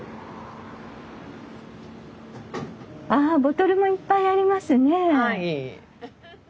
あボトルもいっぱいありますね。